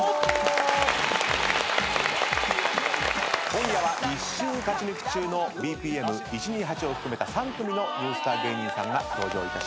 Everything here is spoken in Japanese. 今夜は１週勝ち抜き中のＢＰＭ１２８を含めた３組のニュースター芸人さんが登場いたします。